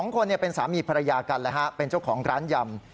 ๒คนเป็นสามีภรรยากันเป็นเจ้าของร้านยำ